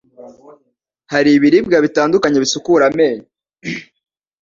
Hari ibiribwa bitandukanye bisukura amenyo,